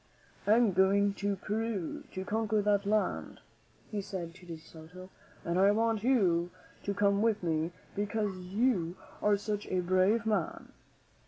"I am going to Peru to conquer that country," he said to De Soto, "and I want you to come with me because you are such a brave man."